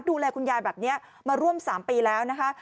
ดูแลคุณยายแบบนี้มาร่วม๓ปีแล้วนะคะ